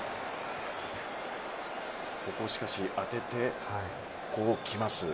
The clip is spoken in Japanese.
ここを、しかし当ててこうきます。